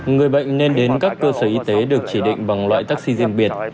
người bệnh nên đến các cơ sở y tế được chỉ định bằng loại taxi riêng biệt